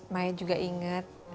mai juga inget